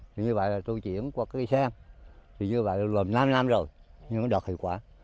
thì như vậy là tôi chuyển qua cây sen thì như vậy là năm năm rồi nhưng nó đạt hiệu quả